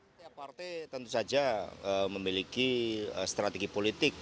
setiap partai tentu saja memiliki strategi politik